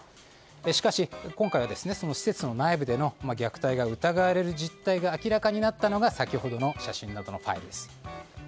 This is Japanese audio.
しかし今回はその施設の内部での虐待が疑われる実態が明らかになったのが先ほどの写真などのファイルです。